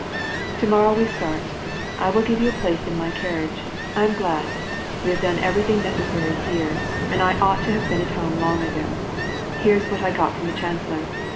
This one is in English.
" To morrow we start ; 1 will give you a place in my car riage. I am glad. We*have done everything necessary here, aud I ought to have been at home long ago. Here's what I got from the chancellor.